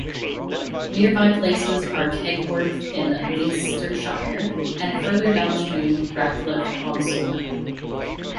Nearby places are Kegworth in Leicestershire and, further downstream, Ratcliffe on Soar.